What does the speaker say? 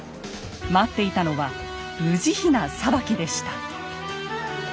待っていたのは無慈悲な裁きでした。